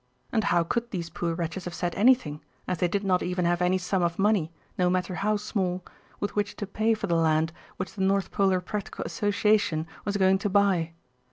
And how could these poor wretches have said anything, as they did not even have any sum of money, no matter how small, with which to pay for the land which the North Polar Practical Association was going to buy.